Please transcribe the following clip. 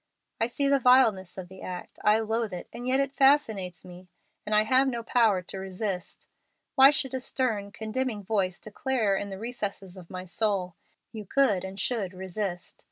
I see the vileness of the act, I loathe it, and yet it fascinates me, and I have no power to resist. Why should a stern, condemning voice declare in recesses of my soul, 'You could and should resist'?